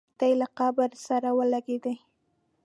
تی یې له قبر سره ولګېدی.